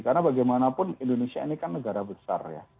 karena bagaimanapun indonesia ini kan negara besar ya